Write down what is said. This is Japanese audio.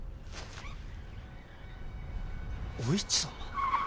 お市様？